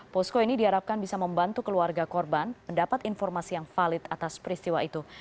posko ini diharapkan bisa membantu keluarga korban mendapat informasi yang valid atas peristiwa itu